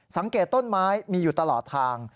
สังเกตต้นไม้มีอยู่ตลอดทาง